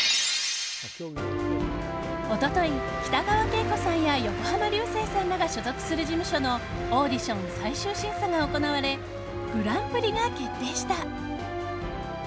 一昨日、北川景子さんや横浜流星さんらが所属する事務所のオーディション最終審査が行われグランプリが決定した。